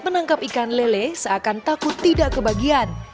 menangkap ikan lele seakan takut tidak kebagian